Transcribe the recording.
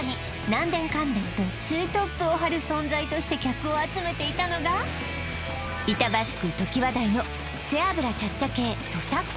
んでんとツートップを張る存在として客を集めていたのが板橋区ときわ台の背脂チャッチャ系土佐っ子